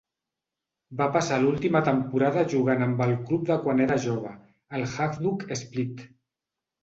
Va passar l'última temporada jugant amb el club de quan era jove, el Hajduk Split.